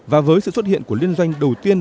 và với sự xuất hiện của liên doanh đầu tiên